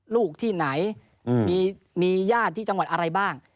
ลูกที่ไหนมีญาติที่จังหวัดอะไรบ้าง